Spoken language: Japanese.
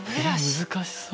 難しそう。